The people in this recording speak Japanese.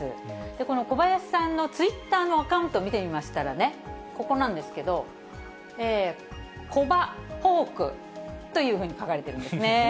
この小林さんのツイッターのアカウント見てみましたらね、ここなんですけど、コバホークというふうに書かれているんですね。